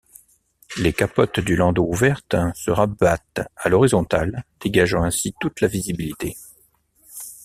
Les capotes du landau ouvertes se rabattent à l’horizontale, dégageant ainsi toute la visibilité.